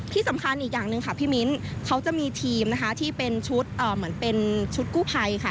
ที่สำคัญอีกอย่างหนึ่งค่ะพี่มิ้นเขาจะมีทีมนะคะที่เป็นชุดเหมือนเป็นชุดกู้ภัยค่ะ